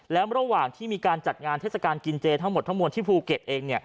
แล้วระหว่างที่มีการจัดงานเทศกาลกินเจทั้งหมดทั้งมวลที่ภูเก็ตเอง